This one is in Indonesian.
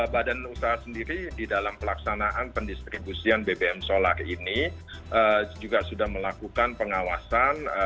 badan usaha sendiri di dalam pelaksanaan pendistribusian bbm solar ini juga sudah melakukan pengawasan